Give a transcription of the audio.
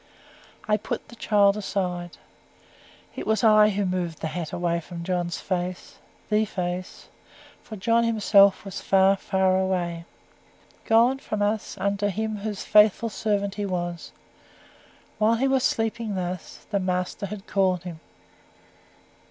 I put the child aside. It was I who moved the hat from John's face THE face for John himself was far, far away. Gone from us unto Him whose faithful servant he was. While he was sleeping thus the Master had called him.